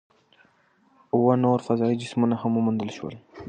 اووه نور فضايي جسمونه هم وموندل شول.